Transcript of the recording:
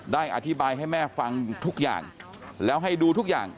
ได้อธิบายให้แม่ฟังทุกอย่างแล้วให้ดูทุกอย่าง